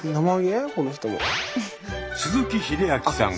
鈴木秀明さん